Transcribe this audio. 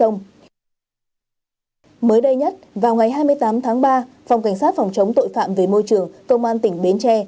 mới đây nhất vào ngày hai mươi tám tháng ba phòng cảnh sát phòng chống tội phạm về môi trường công an tỉnh bến tre